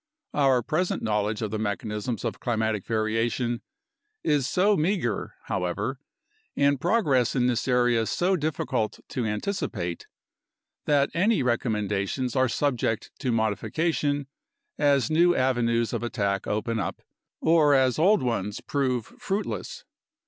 Our present knowledge of the mechanisms of climatic variation is so meager, however, and progress in this area so difficult to anticipate, that any recommendations are subject to modification as new avenues of attack open up or as old ones prove fruitless.